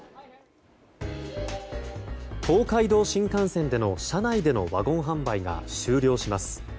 東海道新幹線での車内でのワゴン販売が終了します。